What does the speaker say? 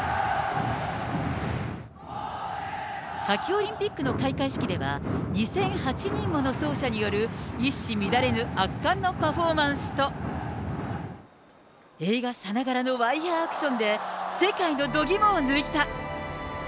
夏季オリンピックの開会式では、２００８人もの奏者による一糸乱れぬ圧巻のパフォーマンスと、映画さながらのワイヤーアクションで、世界の度肝を抜いた。